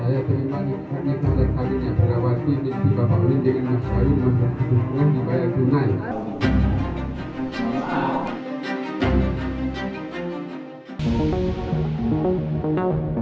hai saya terima disekatnya salah kalinya berawasi di bapak menteri masyarakat